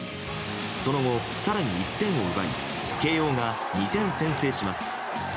その後、更に１点を奪い慶應が２点先制します。